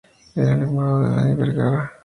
Era el hermano de Danny Bergara.